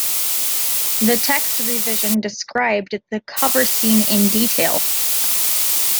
The text revision described the cover scene in detail.